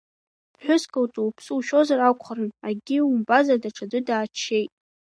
Ԥҳәыск лҿы уԥсы ушьозар акәхарын, акгьы умбазар, даҽаӡәы дааччеит.